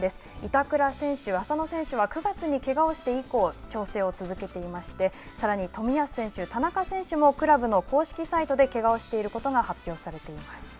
板倉選手、浅野選手は、９月にけがをして以降、調整を続けていまして、さらに冨安選手、田中選手も、クラブの公式サイトでけがをしていることが発表されています。